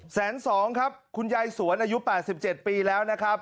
แสนสองครับคุณยายสวนอายุ๘๗ปีแล้วนะครับ